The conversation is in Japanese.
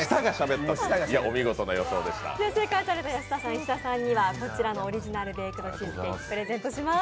正解された安田さん、石田さんにはこちらのオリジナル・ベークド・チーズケーキ、プレゼントします。